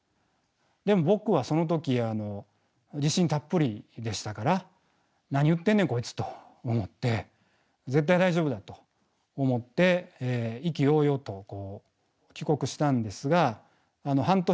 でも僕はその時自信たっぷりでしたから「何言ってんねんこいつ」と思って絶対大丈夫だと思って意気揚々と帰国したんですが半年するとＰＡＤになりました。